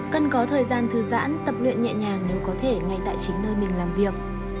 cần có thời gian thư giãn tập luyện nhẹ nhàng nếu có thể ngay tại chính nơi mình làm việc